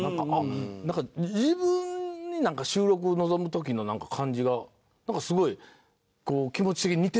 なんか自分に収録臨む時の感じがすごい気持ち的に似てんのかなって。